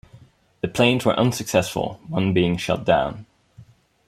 The planes were unsuccessful, one being shot down.